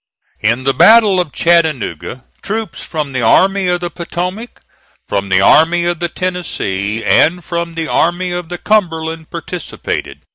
In the battle of Chattanooga, troops from the Army of the Potomac, from the Army of the Tennessee, and from the Army of the Cumberland participated.